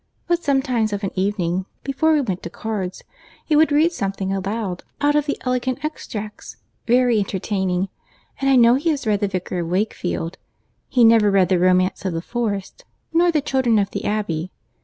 But sometimes of an evening, before we went to cards, he would read something aloud out of the Elegant Extracts, very entertaining. And I know he has read the Vicar of Wakefield. He never read the Romance of the Forest, nor The Children of the Abbey.